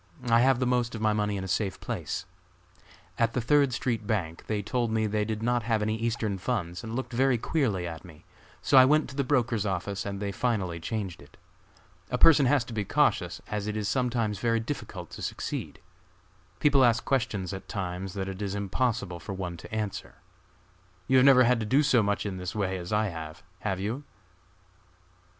I have the most of my money in a safe place. At the Third street bank, they told me they did not have any Eastern funds and looked very queerly at me, so I went to the brokers' office and they finally changed it. A person has to be cautious, as it is sometimes very difficult to succeed. People ask questions at times that it is impossible for one to answer. You have never had to do so much in this way as I have! have you?"